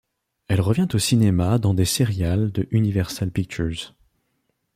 Elle revient au cinéma dans des serials de Universal Pictures.